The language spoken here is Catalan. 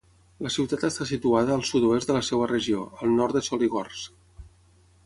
La ciutat està situada al sud-oest de la seva regió, al nord de Soligorsk.